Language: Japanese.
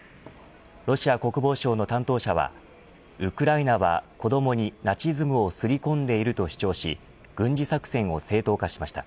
ロシア国防省の担当者はウクライナは子どもにナチズムを刷り込んでいると主張し軍事作戦を正当化しました。